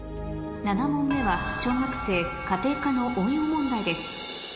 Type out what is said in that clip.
７問目は小学生家庭科の応用問題です